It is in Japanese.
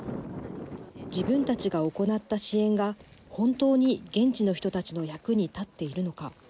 自分たちが行った支援が本当に現地の人たちの役に立っているのか。